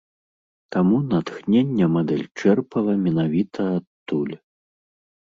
Таму натхнення мадэль чэрпала менавіта адтуль.